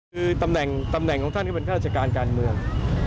คือตำแหน่งของท่านก็เป็นข้าราชการการเมือง